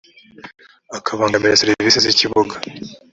akabangamira serivisi z ikibuga